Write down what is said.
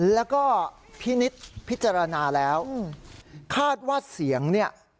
แล้วก็พินิษฐ์พิจารณาแล้วคาดว่าเสียงเนี่ย